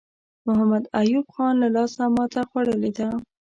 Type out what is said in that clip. محمد ایوب خان له لاسه ماته خوړلې ده.